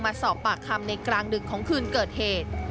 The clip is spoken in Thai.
มาสอบปากคำในกลางดึกของคืนเกิดเหตุ